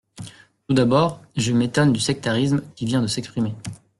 Tout d’abord, je m’étonne du sectarisme qui vient de s’exprimer.